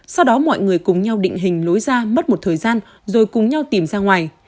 sau đó mọi người cùng nhau định hình lối ra mất một thời gian rồi cùng nhau tìm ra ngoài